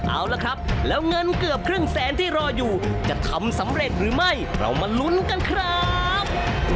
เอาละครับแล้วเงินเกือบครึ่งแสนที่รออยู่จะทำสำเร็จหรือไม่เรามาลุ้นกันครับ